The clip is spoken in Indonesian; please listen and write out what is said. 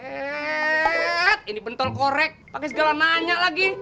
eh ini bentol korek pake segala nanya lagi